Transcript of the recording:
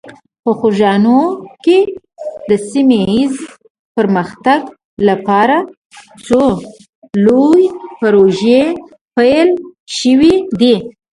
په خوږیاڼي کې د سیمه ایز پرمختګ لپاره څو لویې پروژې پیل شوي دي.